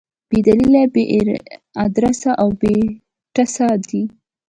بې دلیله، بې ادرسه او بې ټسه دي.